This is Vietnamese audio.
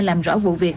làm rõ vụ việc